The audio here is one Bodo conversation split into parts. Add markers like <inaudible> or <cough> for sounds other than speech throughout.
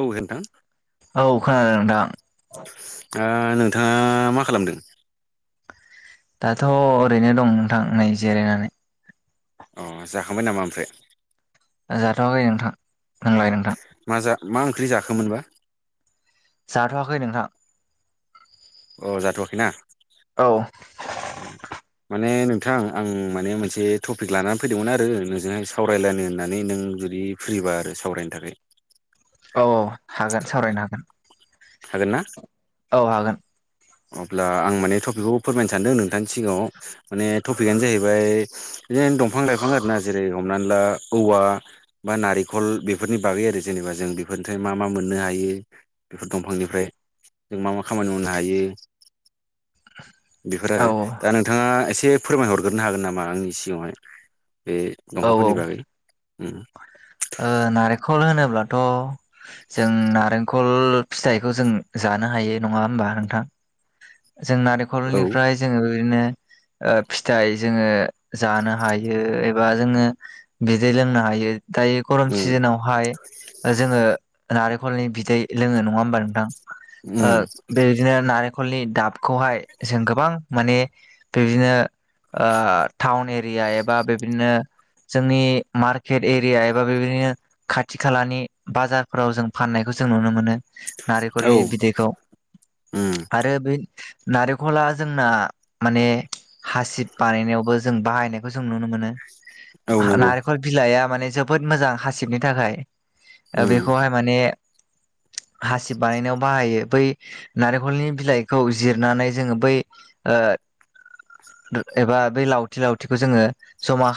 औ होनथां औ खोनादों नोंथां नोंथाङा मा खालामदों दाथ' ओरैनो दं नोंथां नै जिरायनानै अ जाखांबाय नामा ओमफ्राय जाथ'आखै नोंथां नोंलाय नोंथां मा मा ओंख्रि जाखोमोनबा जाथ'वाखै नोंथां अ जाथ'वाखैना औ औ माने नोंथां आं माने मोनसे टपिक लानानै फैदोंमोन आरो नोंजोंहाय सावरायलायनो होननानै नों जुदि फ्रिबा आरो सावरायनो थाखाय औ औ हागोन सावरायनो हागोन थागोन ना औ हागोन अब्ला आं माने टपिकखौ फोरमायनो सानदों नोंथांनि सिगाङाव माने टपिकनो जाहैबाय बिदिनो दंफां लाइफां आरोना जेरै हमनानै ला औवा बा नारेंखल बेफोरनि बागै आरो जेनेबा जों बेफोरनिफ्राय मा मा मोननो हायो दंफांनिफ्राय जों मा मा खामानि मावनो हायो बेफोर औ आरो दा नों नोंथाङा एसे फोरमायहरग्रोनो हागोन नामा आंनि सिगाङावहाय बे औ दंफांफोरनि बागै उम ओ नारेंखल होनोब्लाथ' जों नारेंखल फिथाइखौ जों जानो हायो नङा होमबा नोंथां जों औ नारेंखलनिफ्राय जोङो बिदिनो औ फिथाइ जोङो जानो हायो एबा जोङो बिदै लोंनो हायो दायो गरम उम सिजोनावहाय जोङो नारेंखलनि बिदै लोङो नङा होमबा नोंथां ओ उम बेबायदिनो नारें खलनि दाबखौहाय जों गोबां माने बिदिनो ओ टाउन एरिया एबा बे बादिनो जोंनि मार केेट एरिया एबा बेबायदिनो खाथि खालानि बाजारफोराव जों फाननायखौ जों नुनो मोनो औ नारेंखलनि बिदैखौ उम आरो बे नारेंखला जोंना माने हासिब बानायनायावबो जों बाहायनायखौ जों नुनो मोनो औ नंगौ नारेंखल बिलाइआ माने जोबोद मोजां हासिबनि थाखाय ओ उम बेखौहाय माने हासिब बानायनायाव बाहायो बै नारेंखलनि बिलाइखौ जिरनानै जोङो बै औ एबा बे लावथि लावथिखौ जोङो जमा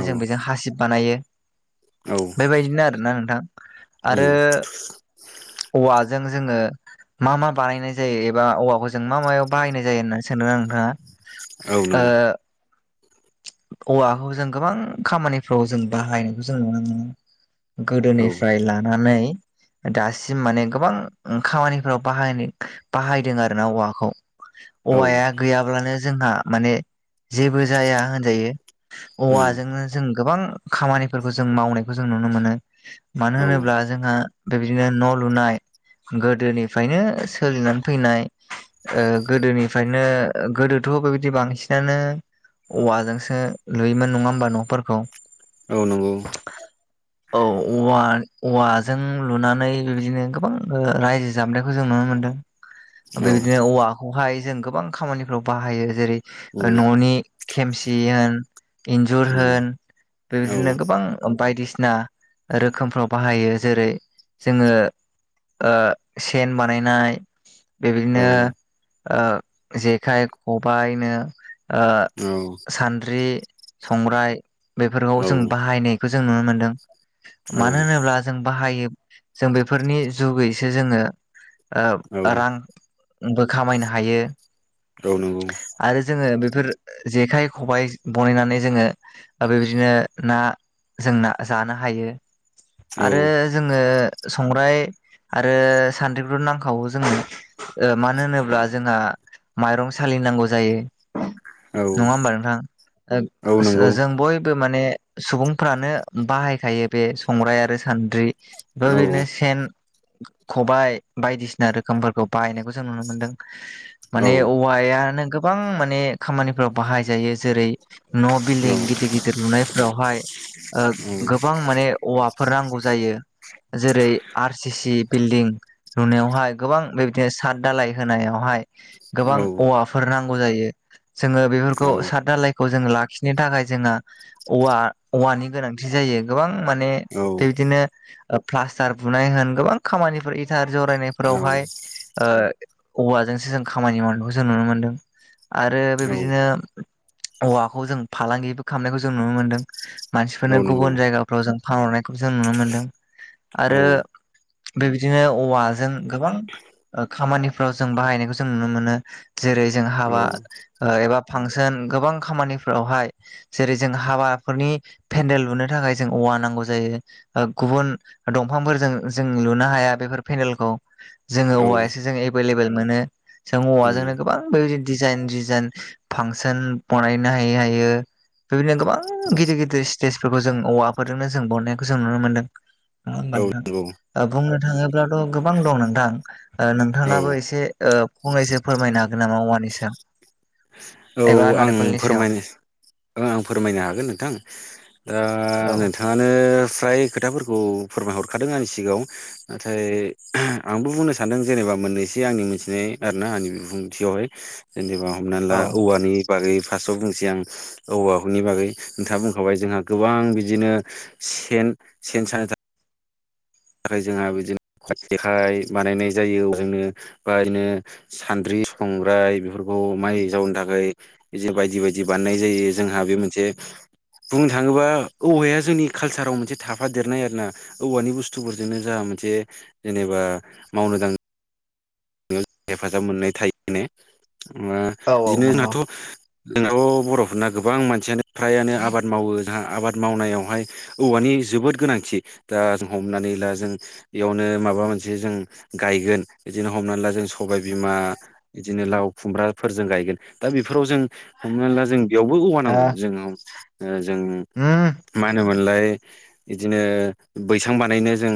औ जों बेजों हासिब बानायो औ बेबायदिनो आरोना नोंथां आरो उम औवाजों जोङो मा मा बानायनाय जायो एबा औवाखौ जों मा मायाव बाहायनाय जायो होनना सोंदों आं औ औवाखौ जों गोबां खामानि फ्राव जों बाहायनायखौ जों नुनो मोनो औ गोदोनिफ्राय लानानै दासिम माने गोबां खामानिफोराव बाहाय बाहायदों आरो ना औवाखौ औ औवाया गैयाब्लानो जोंहा माने जेबो जाया होनजायो उम औवाजोंनो जों गोबां खामानिफोरखौ जों मावनायखौ जों नुनो मोनो मानो औ होनोब्ला जोंहा बेबादिनो न' लुनाय गोदोनिफ्रायनो सोलिनानै फैनाय ओ गोदोनिफ्रायनो गोदोथ' बेबायदि बांसिनानो औवाजोंसो लुयोमोन नङा होमबा न'फोरखौ औ नंगौ औ औवा औवाजों लुनानै बिबदिनो गोबां रायजो जाबोनायखौ जों नुनो मोन्दों औ बेबायदिनो औवाखौहाय जों गोबां खामानिफ्राव बाहायो जेरै ओ उम न'नि खेमसि होन इन्जुर उम होन औ बेबायदिनो गोबां बायदिसिना रोखोमफ्राव बाहायो जेरै जोङो ओ सेन बानायनाय औ बेबायदिनो ओ जेखाइ खबाइनो ओ सान्द्रि संग्राय बेफोरखौ जों बाहायनाय खौ जों नुनो मोन्दों मानो होनोब्ला जों बाहायो जों बेफोरनि जुगैसो जोङो औ ओ रां बो खामायनो हायो औ नांगौ आरो जोङो बेफोर जेखाइ खबाइ बनायनानै जोङो आरो बिदिनो ना जों ना जानो हायो औ आरो जोङो संग्राय आरो सान्द्रिखौथ' नांखागौ जोंनो ओ मानो होनोब्ला जोंहा माइरं सालिनांगौ जायो औ नङा होमबा नोंथां ओ औ नंगौ ओ जों बयबो माने सुबुंफ्रानो बाहायखायो बे संग्राइ आरो सान्द्रि औ बेबायदिनो सेन खबाइ बायदिसिना रोखोमफोरखौ बाहायनायखौ जों जों नुनो मोनदों। माने औ औवायानो गोबां माने खामानिफोराव बाहायजायो जेरै न' बिल्डिं औ गिदिर गिदिर लुनायफोरावहाय ओ गोबां माने औवाफोर नांगौ जायो। जेरै आर सि सि बिल्डिं लुनायावहाय गोबां बेबायदिनो साथ दालाय होनायावहाय गोबां औवाफोर नांगौ जायो। जोङो बेफोरखौ साथ दालायखौ जोङो लाखिनो थाखाय जोंहा औवा औवानि गोनांथि जायो गोबां माने औ बेबायदिनो ओ प्लास्टार बुनाय होन गोबां खामानिफोर इटार जरायनाय फोरावहाय औ ओ औवाजोंसो जों खामानि मावनायखौ जों नुनो मोनदों आरो बेबायदिनो औवाखौ जों फालांगिबो खालामनायखौ जों नुनो मोन्दों मानसिफोरनो औ नंगौ गुबुन जायगाफ्राव जों फानहरनाय खौ जों नुनो मोन्दों आरो औ बेबायदिनो औवाजों गोबां खामानिफ्राव जों बाहायनायखौ जों नुनो मोनो। जेरै जों औ हाबा ओ एबा फांसोन गोबां खामानिफोरावहाय जेरै जों हाबाफोरनि पेन्देल लुनो थाखाय जों औवा नांगौ जायो। ओ गुबुन दंफांफोरजों जों लुनो हाया बेफोर पेन्देलखौ। जोङो औ औवायासो जों एभेलेबल मोनो जों उम औवाजोंनो गोबां बेबायदि डिजाइन डिजाइन फांसोन बनायनो हायो हायो। बेबायदिनो गोबां गिदिर गिदिर स्टेजफोरखौ जों औवाफोरजोंनो जों बनायनायखौ जों नुनो मोन्दों। नङा होमबा औ नंगौ नोंथां? बुंनो थाङोब्लाथ' गोबां दं नोंथां ओ औ नोंथाङाबो एसे ओ फंनैसो फोरमायनो हागोन नामा औवानि सायाव? औ एबा आं नारेंखलनि सायाव? फोरमायनो आं फोरमायनो हागोन नोंथां। ओ औ नोंथाङा आनो फ्राय खोथाफोरखौ फोरमायहरखादों आंनि सिगाङाव। नाथाय आंबो बुंनो सानदों जेनेबा मोननैसो आंनि मोनथिनाय आरोना आंनि बिबुंथियावहाय। जेनेबा हमनानै ला औ औवानि बागै फार्स्टआव बुंसै आं औवा नि बागै नोंथाङा बुंखाबाय जोंहा गोबां बिदिनो सेन सेन सानो था थाखाय जोंहा बिदिनो जेखाइ बानायनाय जायो औवाजोंनो बा इदिनो सान्द्रि, संग्राय बेफोरखौ माइ जावनो थाखाय बिदि बायदि बायदि बानायनाय जायो जोंहा बे मोनसे बुंनो थाङोबा औवाया जोंनि कालसाराव मोनसे थाफादेरनाय आरोना औवानि बुस थुफोरजोंनो जोंहा मोनसे जेनेबा मावनो दांनो हेफाजाब मोननाय थायो ने ओ औ औ बिदिनो नंगौ जोंहाथ' जोंनाथ' बर'फोरना गोबां मानसियानो फ्रायानो आबाद मावो जोंहा आबाद मावनायावहाय औवानि जोबोद गोनांथि दा जों हमनानै ला जों बेयावनो माबा मोनसे जों गायगोन बिदिनो हमनानै ला जों सबाइ बिमा बिदिनो लाव खुमब्राफोर जों गायगोन दा बेफोराव जों हमनानै ला जों बेयावबो औवा ओ नांगौ जोंनाव ओ जों उम मा होनोमोन होनलाय बिदिनो बैसां बानायनो जों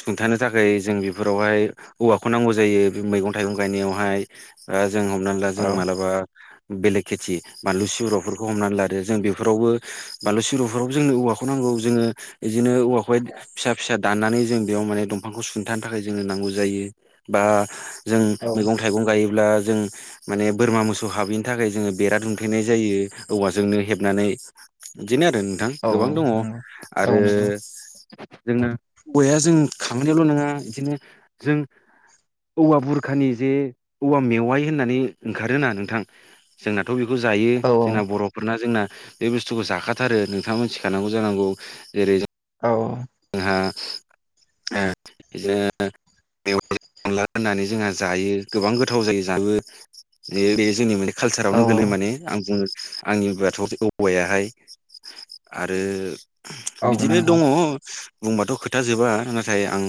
सुंन्थानो थाखाय जों बेफोरावहाय औवाखौ नांगौ जायो बे मैगं थाइगं गायनायावहाय ओ जों हमनानै ला औ जों मालाबा बेलेग खेथि बानलु सिब्र'फोरखौ हमनानै लादो जों बेफोरावबो बानलु सिब्र'फोरावबो जोंनो औवाखौ नांगौ जोङो बिदिनो औवाखौहाय फिसा फिसा दाननानै जों बेयाव माने दंफांखौ सुंथानो थाखाय जोंनो नांगौ जायो बा जों औ मैगं थाइगं गायोब्ला जों माने बोरमा मोसौ हाबैनि थाखाय जोङो बेरा दुमथेनाय जायो। औवाजोंनो हेबनानै बिदिनो आरो नों थां गोबां दङ औ आरो नंगौ जोङो औवाया जों खामानियावल' नङा बिदिनो जों औवा बुर खानि जे औवा मेवाइ होननानै ओंखारोना नोंथां? जोंनाथ' बेखौ जायो औ जोंना बर' फोरना जोंना बे बुस्थुखौ जाखाथारो नोंथाङा मिथिखानांगौ जानांगौ जेरै औ। जोंहा ओ बिदिनो बेयावहाय अनला होननानै जोंहा जायो गोबां गोथाव जायो जानोबो बे बेयो जोंनि माने कालसारावनो गोलैयो माने आं बुङो। आंनि उाथ' औवायाहाय आरो बिदिनो नंगौ दङ बुंबाथ' खोथााजोबा नाथाय आं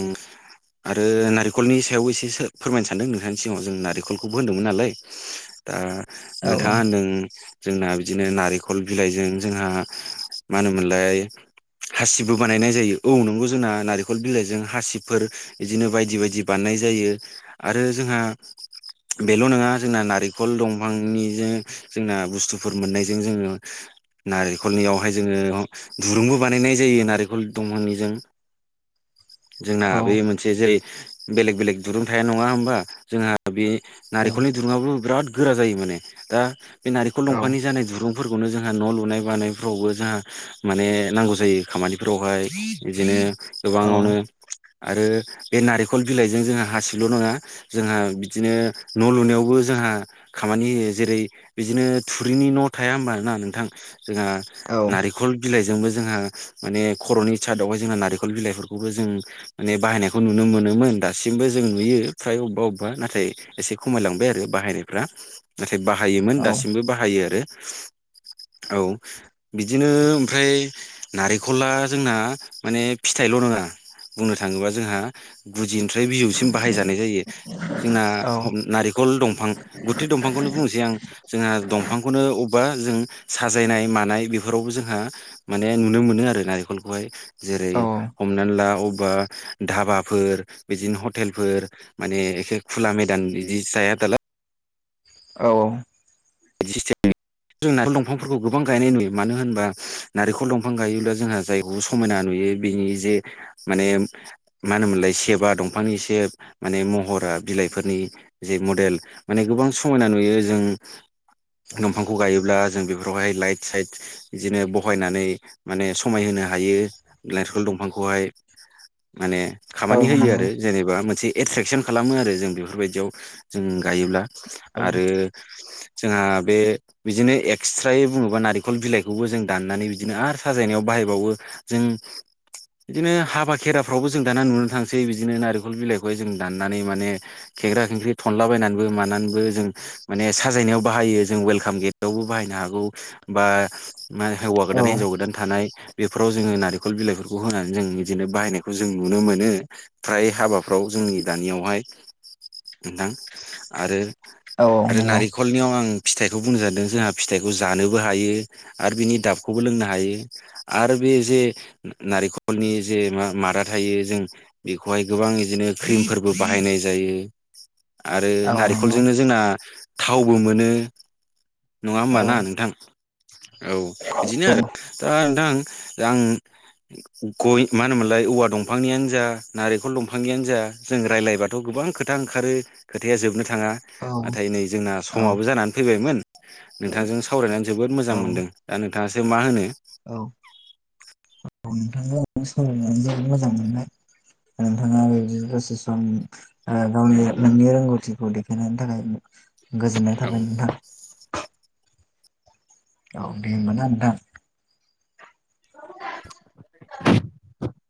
आरो नारेंखलनि सायावबो एसे फोरमायनो सानदों नोंथांनि सिगाङाव जों नारेंखलखौबो होनदोंमोन नालाय दा नोंथाङा होनदों जोंना बिदिनो नारेंखल बिलाइजों जोंहा मा होनोमोनलाय हासिबो बानायनाय जायो। औ नोंगौ जोंना नारेंखल बिलाइजों हासिफोर बिदिनो बायदि बायदि बानायनाय जायो। आरो जोंहा बेल' नङा जोंना नारेंखल दंफांनिजों जोंना बुस्थुफोर मोननायजों जोङो नारेंखलनियावहाय जोङो दुरुंबो बानायनाय जायो। नारेंखल दंफांनिजों। जोंना औ बे मोन से जेरै बेलेग बेलेग दुरुं थाया नङा होमबा जोंहा बे औ नारेखलनि दूरुंआ बो बिराद गोरा जायो माने दा बे औ दंफांनि जानाय जानाय दुुरुं फोरफोरखौनो जोंहा न' लुनाय बानायफ्रावबो जोंहा माने नांगौ जायो खामानिफोरावहाय। बिदिनो औ गोबाङावनो आरो बे नारेंखल बिलाइजों जोंहा हासिल' नङा। जोंहा बिदिनो न' लुनायावबो जोंहा खामानि होयो जेरै बिदिनो थुरिनि न' थाया होमब ना नोंथां? जोंहा नंगौ औ औ नारेंखल बिलाइजोंबो जोंहा माने खर'नि सादआवहाय जोंहा नारेंखल बिलाइफोरखौबो जों माने बाहायनायखौ नुनो मोनोमोन दासिमबो जों नुयो फ्राय अबेबा अबेबा नाथाय एसे खमायलांबाय आरो बाहायनायफ्रा नाथाय बाहायोमोन औ दासिमबो बाहायो आरो। औ बिदिनो ओमफ्राय नारेंखला जोंना माने फिथाइल' नङा बुंनो थाङोब्ला जोंहा गुदिनिफ्राय बिजौसिम बाहाय जानाय जायो। जोंना औ हम नारि खल दंफां गुथै दंफांखौनो बुंनोसै आं। जोंहा दंफांखौनो अबेबा जों साजायनाय मानाय बेफोरावबो जोंहा माने नुनो मोनो आरो नारेंखलखौहाय जेरै औ हमनानै ला अबेबा धाबाफोर बिदिनो हटेलफोर माने एखे खुला मेदान बिदि जाया दालाय औ औ बिदि सिसथिमनि जों नारेंखल दंफांफोरखौ गोबां गायनाय नुयो। मानो होनबा नारेंखल दंफां गायोब्ला जोंहा जाय बे समायना नुयो बिनि जे माने मा होनोमोनलाय सेबा दंफांनि सेब माने महरा बिलाइफोरनि जे मडेल माने गोबां समायना नुयो जों दंफांखौ गायोब्ला जों बेफोरावहाय लाइट साइट बिदिनो बहायनानै माने समायहोनो हायो नरेंखल दंफांखौहाय। माने औ खामानि होयो नंगौ आरो जेनेबा मोनसे एट्रेकसन खालामो आरो जों बेफोरबायदियाव जों गायोब्ला। औ आरो जोंहा बे बिदिनो एक्सट्रायै बुङोबा नारेंखल बिलाइखौबो जों दाननानै बिदिनो आरो साजायनायाव बाहायबावो। जों बिदिनो हाबा खेराफ्रावबो जों दाना नुनो थांसै बिदिनो नारेंखल बिलाइखौहाय जों दाननानै माने खेंख्रा खेंख्रि थनला बायनानैबो मानानैबो जों माने साजायनायाव बाहायो जों वेलकाम गेटावबो बाहायनो हागौ बा मा हौवा औ गोदान हिनजाव गोदान थानाय बेफोराव जोङो नारेंखल बिलाइफोरखौ होनानै जों बिदिनो बाहायनायखौ जों नुनो मोनो। फ्राय हाबाफ्राव जोंनि दानियावहाय ओनथां आरो औ आरो नंगौ नारिखलनियाव आं आं फिथाइखौ बुंनो जादों जोंहा फिथाइखौ जानोबो हायो आरो बिनि दाबखौबो लोंनो हायो। आरो बे जे नारेंखलनि जे मा मादा थायो जों बेखौहाय गोबां बिदिनो क्रिमफोरबो बाहायनाय जायो। आरो औ नंगौ नारेंखलजोंनो जोंना थावबो मोनो नङा औ होमबा ना नोंथां औ बिदिनो आरो दा नोंथां आं गय मा होनोमोनलाय औवा दंफांनियानो जा नारेंखल दंफांनियानो जा जों रायज्लायबाथ' गोबां खोथा ओंखारो खोथाया जोबनो थाङा नाथाय नै जोंना औ समाबो जानानै फैबायमोन नोंथांजों सावरायनानै जोबोद मोजां औ मोनदों दा नोंथाङासो मा होनो औ औ नोंथां सायनानै जोबोद मोजां मोनबाय नोंथाङा बेदि दसे सम गावनि नोंनि रोंगौथिखौ देखायनायनि थाखाय गोजोननाय औ थाबाय नोंथां। औ दे होमबा ना नोंथां। औ। <inaudible>